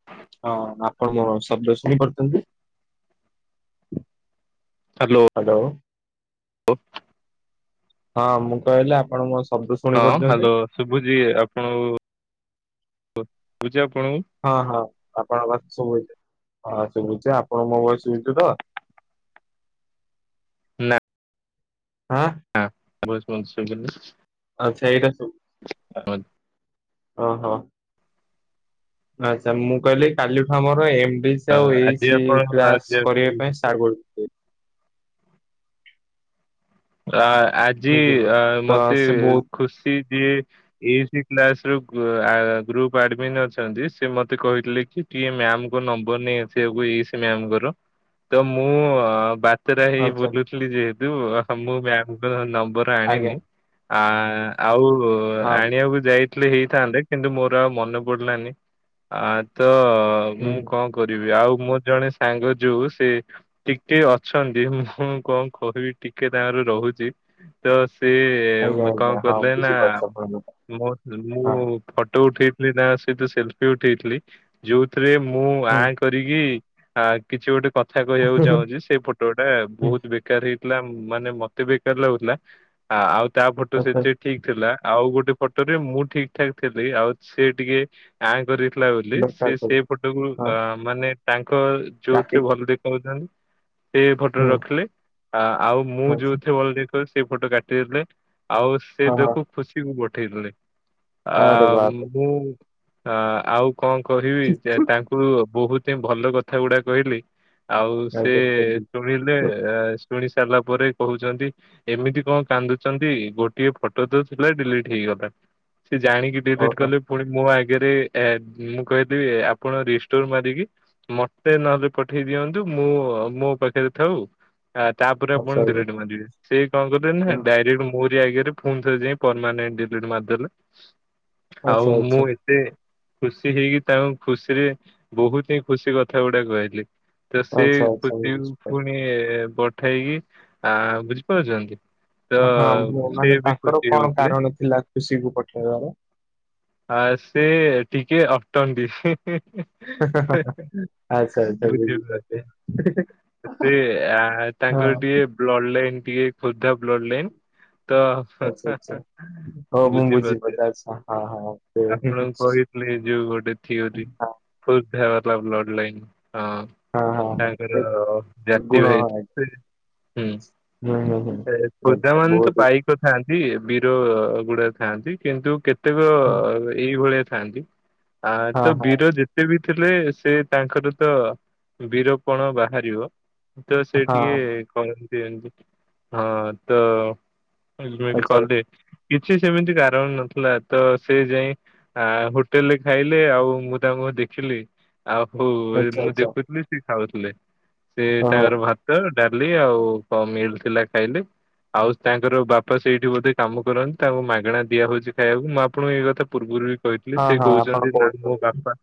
[unintelligible] ହଁ ଆପଣ ମୋର ଶବ୍ଦ ଶୁଣିପାରୁଛନ୍ତି? ହାଲୋ। ହାଲୋ। [unintelligible] ହଁ ମୁଁ କହିଲି ଆପଣ ମୋ ସ ହଁ ହ୍ୟାଲୋ ଶୁଭୁଚି ଆପଣଙ୍କୁ ଶୁବୁଚି ଆପଣଙ୍କୁ? ହଁ ହଁ ଆପଣଙ୍କ କଥା ଶୁବୁଚି। ହଁ ଶୁବୁଚି। ଆପଣଙ୍କୁ ମୋ ଭଏସ୍ ଶୁବୁଚି ତ? ନା। [unintelligible] [unintelligible] ଆଚ୍ଛା ଏଇଟା [unintelligible] [unintelligible] ଅ ହଁ। ନାଇଁ ସାର୍ ମୁଁ କହିଲି କାଲିଠୁ ଆମର ଏମ୍ ବି ଆ, ସେ ଆଉ ଆଜି ହେଇଛି ଆପଣ କ୍ଲାସ ଆଜି କରିବା ଆପଣ- ପାଇଁ। [unintelligible] ଆ ଆଜି ବୁଝିଲେ ତ ମତେ ସେ ବହୁତ ଖୁସି ଦିଏ [unintelligible] କ୍ଲାସ୍ ରୁ ଗ୍ରୁପ ଆଡମିନ ଅଛନ୍ତି ସେ ମତେ କହିଥିଲେ କି କିଏ ମ୍ୟାମ୍ ଙ୍କ ନମ୍ବର ନେଇ ଆସିବାକୁ ଇ ଏସେ ମ୍ୟାମ୍ ଙ୍କର। ତ ମୁଁ ବା ତେରା ହେଇ ଆଚ୍ଛା ବୁଲୁଥିଲି ଯେହେତୁ ମୁଁ ମ୍ୟାମ୍ ଙ୍କର ନମ୍ବର ଆଜ୍ଞା ଆଣିନି। ଆ ଆଉ ହଁ ଆଣିବାକୁ ଯାଇ ଥିଲେ ହେଇଥାନ୍ତେ, କିନ୍ତୁ ମୋର ଆଉ ମନେ ପଡିଲାନି। ଆ ତ ହୁଁ ମୁଁ କଣ କରିବି। ଆଉ ମୋ ଜଣେ ସାଙ୍ଗ ଯୋଉ ସେ ଟିକେ ଅଛନ୍ତି, ମୁଁ କଣ କହିବି ଟିକେ ତାଙ୍କର ରହୁଚି ତ ସେ ଆଜ୍ଞା ସେ କଣ ଆଜ୍ଞା ହଁ କଲେ ନା ବୁଝିପାରୁଛି ଆପଣଙ୍କ କଥା ମୋ ମୁଁ ହଁ ଫଟୋ ଉଠେଇଥିଲି ତାଙ୍କ ସହିତ ସେଲଫି ଉଠେଇଥିଲି, ଯୋଉଥିରେ ମୁଁ ହୁଁ ଆଁ କ କରିକି ଆ କିଛି ଗୋଟେ କଥା କହିବାକୁ ହୁଁ ଚାହୁଁଚି ସେଇ ଫଟୋଟା ହୁଁ ବହୁତ ବେକାର ହେଇଥିଲା। ମାନେ ମତେ ବେକାର ଲାଗୁଥିଲା। ଆ ଆଉ ତା ଫଟୋ ଆଚ୍ଛା ସେଠି ଠିକ୍ ଥିଲା। ଆଉ ଗୋଟେ ଫଟୋ ରେ ମୁଁ ଠିକ୍ ଠାକ୍ ଥିଲି। ଆଉ ସେ ଟିକେ ଆଁ କରିଥିଲା ବୋଲି ଦରକାର ସେ ସବୁ ସେଇ ଫଟୋକୁ ହଁ ମାନେ ତାଙ୍କ କାଟି ଯୋଉଥିରେ ଭଲ ଦେଖ ସେ ଫଟୋ ହୁଁ ରଖିଲେ। ଆ ଆଉ ମୁଁ ଆଚ୍ଛା ଯୋଉଥିରେ ଭଲ ଦେ ଫେର୍ ସେଇ ଫଟୋ କାଟିଦେଲେ। ଆଉ ସେ ହଁ ହଁ ଦେଖୁ ଖୁସିକୁ ପଠେଇଦେଲେ। ଆ ମୁଁ ଆ ଆଉ କଣ କହିବି ଯେ ତାଙ୍କୁ ବହୁତି ହିଁ ଭଲ କଥା ଗୁଡା କହିଲି। ଆଉ ସେ ଶୁଣିଲେ ଶୁଣି ସାରିଲା ପରେ କହୁଛନ୍ତି ଏମିତି କଣ କାନ୍ଦୁଛନ୍ତି ଗୋଟିଏ ଫଟୋ ତ ଥିଲା ଡିଲିଟ୍ ହେଇଗଲା। ସେ ଜାଣିକି ଡିଲିଟ୍ କଲି ପୁଣି ମୋ ଆଗରେ ଏ ମୁଁ କହିଲି ଆପଣ ରିଷ୍ଟୋର ମାରିକି ମତେ ନହେଲେ ପଠେଇ ଦିଅନ୍ତୁ ମୁଁ ମୋ ପାଖରେ ଥାଉ। ଆ ତାପରେ ଆପଣ ଡିଲେଟ୍ ମାରିବେ। ସେ କଣ କଲେ ନା ହଁ, ଡାଇରେକ୍ଟ ମୋରି ଆଗରେ ଫୁଣି ଥରେ ଯାଇ ପରମାନେଟ୍ ଡିଲିଟ୍ ମାରିଦେଲେ। ଆଉ ଆଚ୍ଛା ମୁଁ ଆଚ୍ଛା ଏ ତେ ଖୁସି ହେଇକି ତାଙ୍କୁ ଖୁସିରେ ବହୁତ ହିଁ ଖୁସି କଥା ଗୁଡା କହିଲି। ତ ସେ ଆଚ୍ଛା ଆଚ୍ଛା ମୁଁ [unintelligible] ବୁଝିପାରିଲି ପୁଣି ଏ ପଠେଇକି ଆ ବୁଝିପାରୁଚନ୍ତି? ହଁ ମାନେ ତାଙ୍କର କଣ କାରଣ ଥିଲା ଖୁସିକୁ ପଠେଇବାର? ଆ ସେ ଟିକେ ଅଟନ୍ତି ହେ ହେ ହେ। ଆଚ୍ଛା ଆଚ୍ଛା ବୁଝିପାରିଲି [unintelligible] ହଁ ତାଙ୍କର ଟିକେ ବ୍ଲଡ଼ ଲାଇନ୍ ଟିକେ ଖୋର୍ଦ୍ଧା ବ୍ଲଡ ଲାଇନ୍ ତ। ଆଚ୍ଛା ଆଚ୍ଛା ହଉ ମୁଁ ବୁଝିପାରୁଛି ବୁଝିପାରିଲି ଆଚ୍ଛା ହଁ ହଁ ସେ- ଆପଣଙ୍କୁ କହି। ଲେ ଯଉ ଗୋଟେ। ତାଙ୍କର ହଁ ହଁ ହଁ ହଁ ସେ ଜାତି ଗୁଣ ଭାଈ। ହଁ ହୁଁ। ହୁଁ ହୁଁ। ଏ ଖୋଦ୍ଧା ଆଚ୍ଛା ମାନେ ତ ବହୁତ ପାଇକ ଥାଆନ୍ତି ବୀର ଗୁଡା ଥାଆନ୍ତି କିନ୍ତୁ କେତେ। କେତେକ ହଁ ଏଇଭଳିଆ ଥାଆନ୍ତି। ଆ ହଁ ତ ହଁ ବୀର ଯେତେ ବି ଥିଲେ ସେ ତାଙ୍କର ତ। ବୀରପଣ ବାହାରିବ ତ ସେ ଟିକେ କହନ୍ତି ଏମତି। ହଁ ତ ଏଗ୍ରିରେମେଣ୍ଟ ଆଚ୍ଛା କଲେ। କିଛି ସେମିତି କାରଣ ନଥିଲା ତ ସେ ଯାଇ। ଆ ହୋଟେଲରେ ଖାଇଲେ ଆଉ ମୁଁ ତାଙ୍କୁ ଦେଖିଲି। ଆଉ ହଉ ଆଚ୍ଛା ମୁଁ ଆଚ୍ଛା ଦେଖୁଥିଲ ସିଏ ଖାଉଥିଲେ ସେ ଓହୋ ତାଙ୍କର ଭାତ। ଡାଲି ଆଉ କ ମିଲ୍ ଥିଲା ଖାଇଲି। ଆଉ ତାଙ୍କର ବାପା ସେଇଠି ବୋଧେ କାମ କରନ୍ତି ତାଙ୍କୁ ମାଗଣା ଦିଆ ହଉଛି ଖାଇବାକୁ ମୁଁ ଆପଣଙ୍କୁ ଏଇ କଥା ପୂର୍ବରୁ। କହିଥିଲେ ହଁ ସେ ହଁ ଆପଣ କହୁଛନ୍ତି ନା ମୋ ବାପା।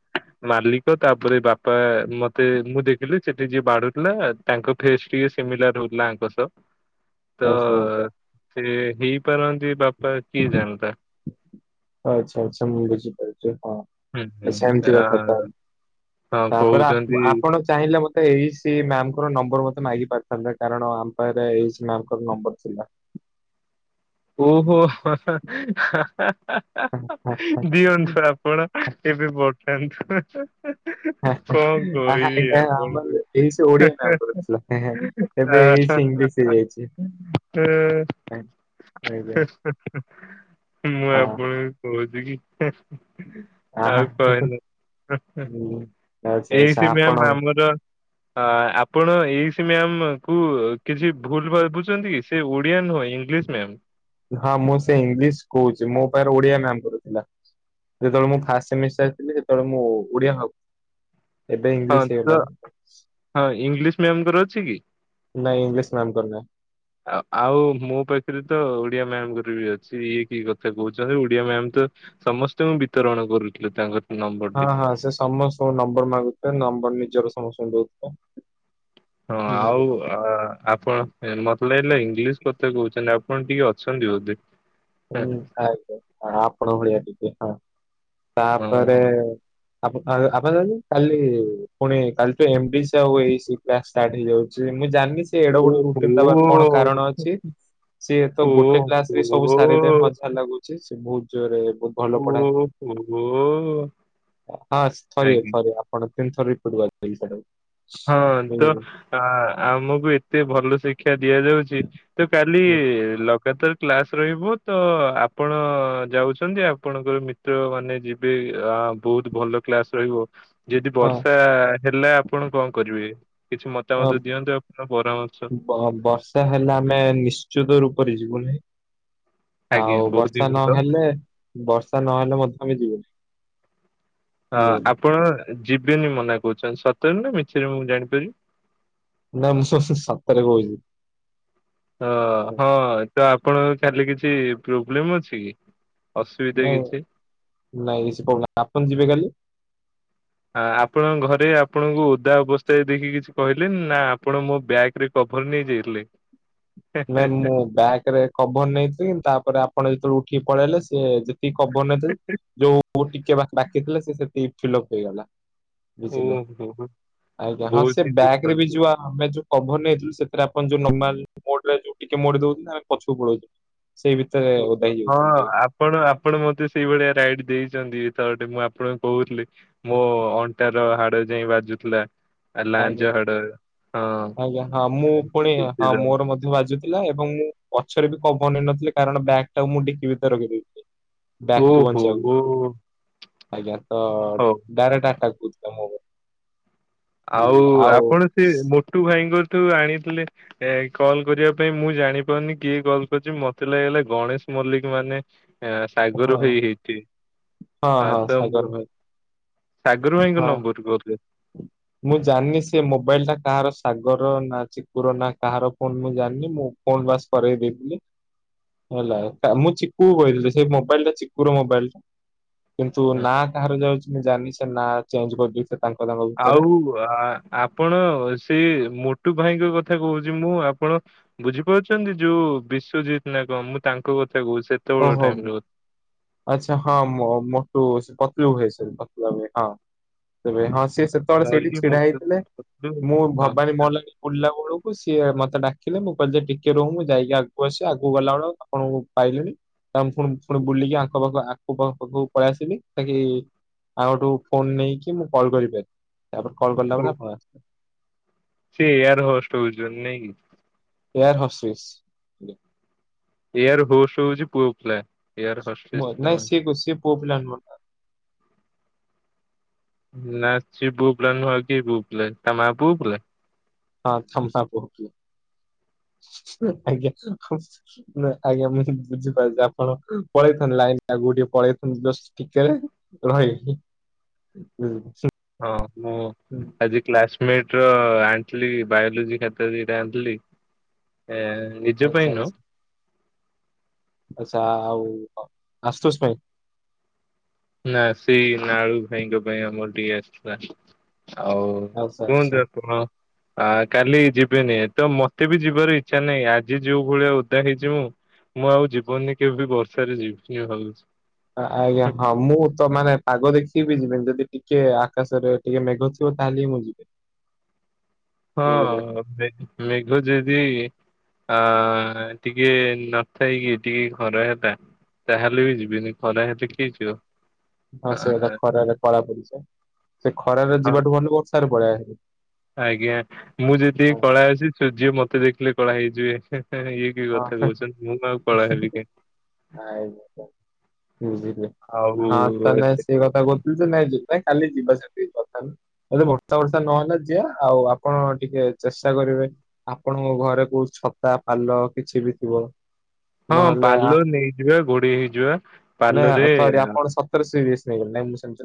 ମାଲିକ ତାପରେ ବାପା ମତେ ମୁଁ ଦେଖିଲି ସେଠି ଯିଏ ବାଢୁଥିଲା। ତାଙ୍କ ଫେସ୍ ଟିକେ ସିମିଲାର ହଉଥିଲା ଆଙ୍କ ସହ। ତ ଆଉ ସବୁ କହ। ସେ ହେଇପାରନ୍ତି ବାପା କିଏ ଜାଣେତା ଆଚ୍ଛା ଆଚ୍ଛା ମୁଣ୍ଡ ପିଛା ହଁ। ହୁଁ ହୁଁ ସେମିତି ଆ କଥା ତ ହଁ ତାପରେ କହୁଛନ୍ତି ଆପଣ। ଚାହିଁଲେ ମୋତେ ଏଇ ସି ମ୍ୟାମ୍ଙ୍କର ନମ୍ବର ମୋତେ ମାଗି ପାରିଥାନ୍ତତା କାରଣ ଆମ ପାରେ ଏଇ ମ୍ୟାମ୍ଙ୍କର ନମ୍ବର ଥିଲା। ଓହୋ ହା ହା ଦିଅନ ସ୍ରପ। ଆଣ ଏବେ ବତାନୁ। କଣ କହିବି ଆଜ୍ଞା ଆପଣଙ୍କୁ। ଆମର ଏଇ ସି ଓଡିଆ ମ୍ୟାମଙ୍କର ଥିଲା। ଏବେ ହା ଏଇ ସି ହା ହା ଇଂଲିଶ ହା ହେଇଯାଇଛି। ଆଜ୍ଞା ମୁଁ ହଁ ଆପଣଙ୍କୁ କହୁଛି କି। ଆହା ଆଉ କହନା। ହୁଁ। ଆଚ୍ଛା ଏଇ ଆଚ୍ଛା ସ ଆପଣ ମ୍ୟାମ ଆମର। ଆ ଆପଣ ଏଇସି ମ୍ୟାାମ କୁ କିଛି ଭୁଲ ଭାବୁଝଛନ୍ତି କି। ସେ ଓଡ଼ିଆ ନୁହେ ଇଂଗିସି ମ୍ୟାମ୍। ହଁ ମୁଁ ସେ ଇଂଲିଶ କହୁଚି ମୋ ପାଖରେ ଓଡିଆ ମ୍ୟାାମର ଥିଲା। ଯେତେବେଳେ ମୁଁ ଫାଷ୍ଟ ସେମିସି ଆସିଥିଲି ସେତେବେଳେ ମୁଁ ଓଡିଆ ହବ ହଁ ତ ହଁ ଇଂଲିଶ ମମଙ୍କର ଅଛି କି ନାଇଁଇଂଲିଶ ମ୍ୟାାମ କର ନାହିଁ। ଁ [unintelligible] ଆ ଆଉ ମୋ ପାଖରେ ତ ଓଡିଆ ମ୍ୟାାମଙ୍କରେ ବି ଅଛି ଇଏ କି କଥା ହେ କହୁଛନ୍ତି ଓଡିଆ ମ୍ୟାାମ ତ। ସମସ୍ତଙ୍କୁ ବିତରଣ କରୁଥିଲେ ତାଙ୍କର। ନମ୍ବରଟି ହଁ ହଁ ସେ ସମସ୍ତଙ୍କୁ ନମ୍ବର ମାଗୁଥିଲେ ନମ୍ବର ନିଜର ସମସ୍ତଙ୍କୁ ଦଉଥିଲେ। ହଁ ହୁଁ ଆଉ। ଅ ଆପଣ ମତେ ଲାଗିଲା ଇଂଲିଶ୍ କଥା କହୁଛନ୍ତି ଆପଣ ଟିକେ ଅଛନ୍ତି ବୋଧେ। ହୁଁ ଆଜ୍ଞା ଆପଣ ଭଳିଆ ଟିକେ ହଁ ତାପରେ ହଁ। ଆପଣ [unintelligible] କାଲି ପୁଣି କାଲି ତୁ ଏମ ବି ସି ଆଉ A E C class start ହେଇଯାଉଚି ମୁଁ ଜାନି ସେ ଏଡ ବଡ଼ ରୁଟିନ ଓହୋ ଦବାର କଣ କାରଣ ଅଛି ସିଏ ତ ଗୋଟେ କ୍ଲାସ ରେ ସବୁ ସାରିଦେବେ ମତେ ଯାହା ଲାଗୁଚି ସେ ବହୁତ ଜୋରରେ ଭଲ ଓହୋ ପଢାନ୍ତି ଓହୋ ହଁ ସ ଥରିଏ ଆଜ୍ଞା। ଥରିଏ କଣ ତିନିଥର [unintelligible] ତ ହଁ ଆମକୁ ଏତେ ଭଲ ଶିକ୍ଷା ଦିଆଯାଉଚି ତ କାଲି ଲ ଏକାତ କ୍ଲାସ ରହିବ ତ ଆପଣ ଯାଉଚନ୍ତି ଆପଣଙ୍କର ମି ତ୍ର ମାନେ ଯିବେ ଆ ବହୁତ ଭଲ କ୍ଲାସ ରହିବ। ଯଦି ହଁ ବର୍ଷା ହେଲା ଆପଣ କଣ କରିବେ? କିଛି ହଁ ମତାମତ ଦିଅନ୍ତୁ ଆପଣ ପରାମର୍ଶ। ବର୍ଷା ହେଲେ ଆମେ ନିଶ୍ଚିତ ରୂପରେ ଯିବୁ ନି। ଆଜ୍ଞା ଆଉ ବହୁତ ହିଁ ବର୍ଷା ଭଲ ନହେଲେ ବର୍ଷା ନହେଲେ ମଧ୍ୟ ଆମେ ଯିବୁ ହଁ ଆପଣ ଯିବେନି ମନା କହୁଚନ୍ତି ସତରେ ନା ମିଛରେ ମୁଁ ଜାଣିପାରିବି? ନା ମୁଁ ସ ସ ସମସ୍ତେ ସାତରେ କହୁଚି। ଅ ହଁ ତ ଆପଣଙ୍କ କାଲି କିଛି ପ୍ରୋବ୍ଲେମ ଅଛି କି? ଅସୁବିଧା ନାଇଁ କିଛି? ନାଇଁ କିଛି ପ୍ରୋବ୍ଲେମ ଅପଣ ଯିବେ କାଲି? ଆ ଆପଣ ଘରେ ଆପଣଙ୍କୁ ଓଦା ଅବସ୍ଥାରେ ଦେଖି କିଛି କହିଲେନି ନା ଆପଣ ମୋ ବ୍ୟାଗ୍ ରେ କଭର ନେଇ ଯାଇଥିଲେ। ନାଇ ମୁଁ ବ୍ୟାଗ ରେ କଭର ନେଇଥିଲି ତାପରେ ଆପଣ ଯେତେବେଳେ ଉଠିକି ପଳେଇଲେ ସେ ସେ [unintelligible] ଯୋଉ ଟିକେ ବା ବାକିଥିଲା ସେ ସେତିକି ଫି ଫିଲ୍ ଅପ ହେଇଗଲା। ବୁଝିଲେ ଓହୋ ଆଉ ଯାହା ବହୁତ ସେ ହିଁ ବ୍ୟାଗ ରେ ବି ଦୁଃଖଦ ଯିବା ଆମେ ଯୋଉ କଭର ନେଇଥିଲୁ ସେଥିରେ ଆପଣ ଯୋଉ ନର୍ମାଲ ମୋଡ ରେ ଯୋଉ ଟିକେ ମୋଡି ଦଉନି ଆମେ ପଛକୁ ପଳେଇଲୁ ସେଇ ଭିତରେ ଓଦା ହଁ ହେଇଯାଉଛନ୍ତି ଟିକେ ଆ ଆପଣ ଆପଣ ମତେ ସେଇଭଳିଆ ରାଇଡ ଦେଇଚନ୍ତି। ତ [unintelligible] ମୁଁ ଆପଣଙ୍କୁ କହୁଥିଲି। ମୋ ଅଣ୍ଟ ର ହାଡ ଯାଏଁ ବାଜୁଥିଲା। ଆ ଆଜ୍ଞା ଲାଞ୍ଜ ହାଡ ଆଜ୍ଞା ହଁ ମୁଁ ପୁଣି ହଁ ମୋର ମଧ୍ୟ ବାଜୁ ଥିଲା ଏବଂ ମୁଁ ପଛରେ ବି କଭର ନେଇନଥିଲି କାରଣ ବ୍ୟାଗ୍ ଟାକୁ ମୁଁ ଡିକି ଭିତରେ ରଖି ଦେଇେଇଥିଲି। ବ୍ୟାଗ ହଁ କୁ ଓହୋ ବଞ୍ଚେଇ ଓ [unintelligible] ଆଜ୍ଞା ତ ହଉ। ଡଇରେକଟ ଆଟାକ ହୋଉଥିଲା ମୋ ଉପରେ। ଆଉ ଆପଣ ସେ ମୋଟୁ ଭାଇଙ୍କଙ୍କଠୁ ଆଣିଥିଲେ ଏ କଲ୍ କରିବା ପାଇଁ ମୁଁ ଜାଣିପାରୁନି କିଏ କଲ୍ କରିୁଚି ମତେ ଲାଗିଲା ଗଣେଶ ମଲ୍ଲିକ ମାନେ ସାଗର ହଁ ଭାଇ ହେଇଥିବେ ହଁ ଆ ହଁ ତ ସାଗର ମୁଁ ଭାଇ ସାଗରୁ ଭାଇ ଙ୍କ ହଁ ନଂବର ରୁ କହୁଥିଲେ? ମୁଁ ଜାଣିନି ସେ ମୋବାଇଲ ଟା କାହାର ସାଗର ନା ଚିକୁର ନା କାହାର ଫୋନ ମୁଁ ଜାଣିନି ମୁଁ ଫୋନ୍ ବାସ କରଇ ଦେଇ ଥିଲି। ହେଲା ମୁଁ ଚିକୁକୁ କହିଥିଲି ସେଇ ମୋବାଇଲ ଟା ଚିକୁ ର ମୋବାଇଲ। କିନ୍ତୁ ହଁ। ନା କାହାର ଯାଉଚି ମୁ ଜାଣିନି ସେ ନା ଚେଞ୍ଜ କରିଦେ [unintelligible] ଆଉ ଆପଣ ସେ ମୋଟୁ ଭାଇଙ୍କ କଥା କହୁଚି ମୁଁ ଆପଣ ବୁଝିପାରୁଚନ୍ତି ଯୋଉ ବିଶ୍ଵଜିତ ନା କଁ ମୁଁ ତାଙ୍କ କଥା କହୁ ସେ ଓହୋ ବ୍ ଆଚ୍ଛା ହଁ ମୋ ମୋଟୁ ସେ ପତଲୁ ଭାଇ ସେ [unintelligible] ହଁ ତେବେ ହଁ ସେ ସେ କଣ ସେଇଠି ଧରିକି ଛିଡା ମୋଟୁ ହେଇଥିଲେ ମୁଁ ଭବାନୀ [unintelligible] ବୁଲିଲା ବେଳକୁ ସିଏ ମତେ ଡାକିଲେ ମୁଁ କିଇଲି ଯେ ଟିକେ ରହୁ ମୁଁ ଯାଇକି ଆଗକୁ ଆସୁଚି ଆଗକୁ ଗଲାବେଳକୁ ଆପଣଙ୍କୁ ଆଉ ଆପଣଙ୍କୁ ପାଇଲିନି ତାେ ପୁଣି ପୁଣି ବୁଲିକି ଆଖ ପାଖ କୁ ପଳେଇ ଆସିଲି ତାକି ଆଙ୍କଠୁ ଫୋନ ନେଇକି ମୁଁ କଲ୍ କରିପାରି। ତାପରେ କଲ୍ କରିଲା ପରେ ହଁ ଆପଣ ଆସିଲେ ସେ ୟାର ହଷ୍ଟ ହଉ ନାଇଁ କି। ଏୟାର ହସିସ୍ ଏଇଆର ହୋସ୍ ହଉଛି ପୁଅ ପିଲା। ଏୟାର ହଷ୍ଟେସ୍ ମ ନାଇ ସେଇ ପୁଅ ପୁଅ ପିଲା ନୁହ। ନା ସ ବୁ ପୁଲା ନୁହଁ, କି ବୁ [unintelligible] ତା ମା [unintelligible] [unintelligible] ନ ଆଜ୍ଞା ମୁଁ ବୁଝିପାରୁ ଆପଣ ପଳେଇନ୍ତ ଲାଇନ ଟଗ ଟିକେ ପଳେଇନ୍ତ କଷ୍ଟ ଟିକେ ରାଇ [inaudible] ହଁ ମୁଁ ଆଜି କ୍ଲାସ। ର ଆଣିଥିଲି ବାୟୋଲୋଜି ଖ ଯଟା ଆଣିଥିଲି। ନିଜ ଆଚ୍ଛା ପାଇଁ ନୁ ଆଚଛା ଆଉ ଆସୁଷ [unintelligible] ନା ସେଇ ନାଳୁ ଭାଇଙ୍କ ପାଇଁ ଆମର ଟିକେ ଆସଥିଲା। ଆଉ ଆଚ୍ଛା ଆଚ୍ଛା କୁହନ୍ତୁ ଆଉ କଣ? ଆ କାଲି ଯିବେିନି ତ ମତେ ବି ଯିବାର ଇଚ୍ଛା ନାହିଁ ଆଜି ଯୋଉ ଭଳିଆ ଓଦା ହେଇଛି ମୁଁ। ମୁଁ ଆଉ ଯିବନି କେବେ ବି ବର୍ଷାରେ ଯିବନ ଭାବଛି। ଆଜ୍ଞା ହଁ ମୁଁ ତ ମାନେ ପାଗ ଦେଖିକି ବିି ଯିବିନ ଯଦି ଟିକେ ଆକାଶରେ ଟିକେ ମେଘ ଥିବ ତାହେଲେ ମୁଁ ଯିବି ବୁଝିଲେ। ହଁ [unintelligible] ମେଘୁ ଯଦି ଅ ଟିକେ ନଥାଇ କିି ଟିକେ ଖରା ହେଲେ ତାହେଲେ ବି ଯିବିନି ଖରା ହେଲେ କିଏ ଯିବ। ହଁ ସେ କଥା ଖରାରେ କଳା ପଡିଚା ସେ ଖରାରେ ହଁ ଯିବାଠୁ ଭଲ ବ ସାର [unintelligible] ଆଜ୍ଞା ମୁଁ ଯେଦକି କଳା ଅଛି ସଝଅ ମତେ ଦେଖିଲେ କଳା ହେଇଯିବେ ଇଏ କି ହଁ କଥା କହୁଛନ୍ତି ମୁଁ ଆଉ କଳା ହେବି [unintelligible] କେମିତି ବୁଝିଲେ ଆଉ ହଁ [unintelligible] ତାକୁ ନାଇଁ ଯିବା କାଲି ଯିବା ସେଠି କଥା ହେଲେ ବର୍ଷା ବର୍ଷା ନହେଲା ଯିିବା ଆଉ ଆପଣ ଟିକେ ଚେଷ୍ଟା କରିବେ। ଆପଣଙ୍କ ଘରେ କୋଉଠି ଛତା ପାଲ କିଛି ବି ଥିବ। ହଁ ନହେଲେ ପାଲ ନେଇଯିବା ଘୋରି ହେଇଯିବା। ନାଇଁ ପାଲରେ ସରି ଆପଣ ସତରେ ସିରିଅସ୍ ନେଇଗଲେ, ନାଇଁ ମୁଁ ସେମ୍ତିି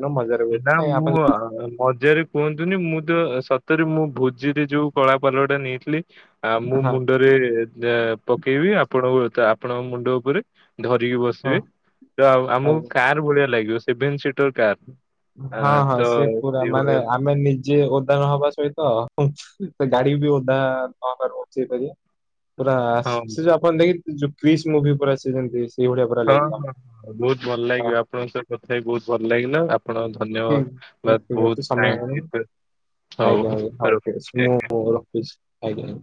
ନା ମୁଁ ଆ ମଜାରେ କୁହନ୍ତୁନି ମୁଁ ତ ସତରେ ମୁଁ ଭୋଜିରେ ଯୋଉ କଳା ପାଲ ଟା ନେଇଥିଲି ଆ ମୁୋ ହଁ ମୁଣ୍ଡରେ ପକେଇବି ଆପଣ ଆପଣଙ୍କ ମୁଣ୍ଡ ଉପରେ ଧରିକି ବସି ହଁ ସିବି ଆମକୁ ଆଉ କାର୍ ଭଳିଆ ଲାଗିବ ସେଭେନ୍ ସିଟର୍ କାର୍। ହଁ ହଁ ସେ ପୁରା ମାନେ ଆମେ ନି ଯିଏ ଓଦା ନହବା ସହିତ ସେ ଗାଡି ବି ଓଦା ନହବାରୁ ବଞ୍ଚେଇ ପାରିବ। ପୁରା ହଁ ସେ ଯୋଉ ଆପଣ ଦେଖୀ ଯୋଉ କ୍ରିଶ୍ ମୁଭି ପୁରା ସିଏ ଯେମିତି ସେଇଭଳିଆ ପୁରା ହଁ ଲାଗିବ। ହଁ ବହୁତ ଭଲ୍ ଲାଗିବ ଆପଣଙ୍କ ସହ କଥା ହେଇ ବହୁତ ଭଲ୍ ଲାଗିଲା। ଆପଣ ଠିକ୍ ଧନ୍ୟବାଦ୍ ଠିକ୍ ଅଛି ବହୁତ୍ ସମୟ ଟାଇମ୍ ହେଇଗଲାଣି ଦେଇଥିବାରୁ। ହଉ ଆଜ୍ଞା ଆଜ୍ଞା ହଉ ଠିକ୍ ରଖୁଛି ଅଛି ଆଜ୍ଞା। ମୁଁ ରଖୁଚି ଅଜ୍ଞା।